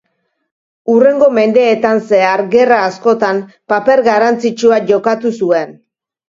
Hurrengo mendeetan zehar gerra askotan paper garrantzitsua jokatu zuen.